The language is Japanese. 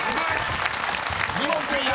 ［２問クリア！